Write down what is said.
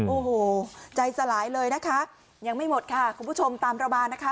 โอ้โหใจสลายเลยนะคะยังไม่หมดค่ะคุณผู้ชมตามเรามานะคะ